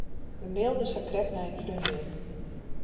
Wy mailden sakrekt nei in freondin.